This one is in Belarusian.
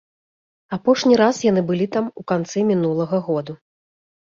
Апошні раз яны былі там у канцы мінулага году.